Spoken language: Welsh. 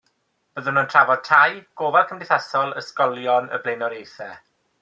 Byddwn yn trafod tai, gofal cymdeithasol, ysgolion y blaenoriaethau.